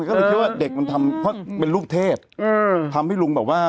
ก็เลยคิดว่าเด็กมันทำเพราะเป็นลูกเทพอืมทำให้ลุงแบบว่า